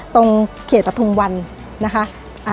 ตรงเขตปฐุมวันนะคะ